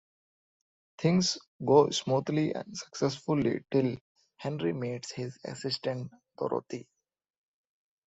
Things go smoothly and successfully till Henry meets his assistant Dorothy.